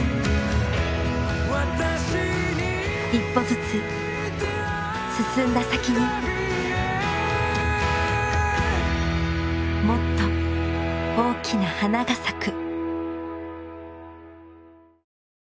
一歩ずつ進んだ先にもっと大きな花が咲く。